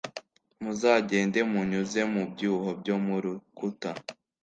muzagenda munyuze mu byuho byo mu rukuta